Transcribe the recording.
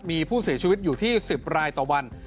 มีผู้เสียชีวิตอยู่ที่๑๐รายต่อวัน